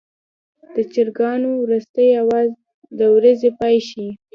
د چرګانو وروستی اواز د ورځې پای ښيي.